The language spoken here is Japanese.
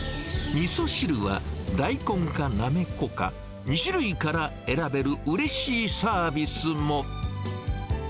みそ汁は大根かなめこか、２種類から選べるうれしいサービスも。